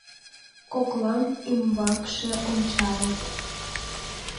Коклан ӱмбакше ончалыт.